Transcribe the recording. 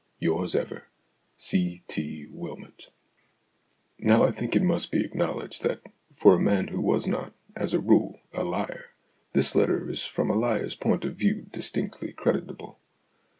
Yours ever, "C. T. WYLMOT." Now I think it must be acknowledged that, for a man who was not, as a rule, a liar, this letter is from a liar's point of view distinctly creditable.